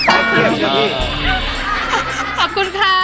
่คับพี่